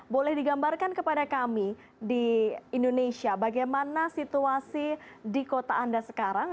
boleh digambarkan kepada kami di indonesia bagaimana situasi di kota anda sekarang